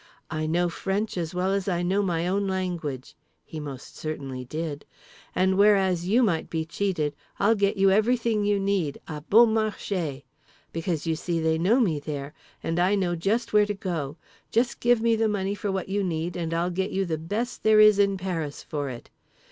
I know French as well as I know my own language" (he most certainly did) "and whereas you might be cheated, I'll get you everything you need à bon marché. Because you see they know me there, and I know just where to go. Just give me the money for what you need and I'll get you the best there is in Paris for it.